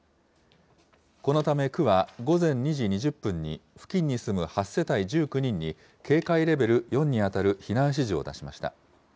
このため、区は午前２時２０分に付近に住む８世帯１９人に、警戒レベル４に当たる避難指示を出しました。